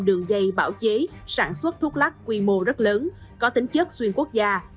đường dây bảo chế sản xuất thuốc lắc quy mô rất lớn có tính chất xuyên quốc gia